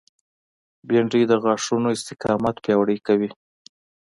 بېنډۍ د غاښونو استقامت پیاوړی کوي